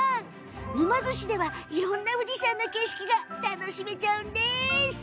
沼津市では、いろんな富士山の景色が楽しめちゃうんです。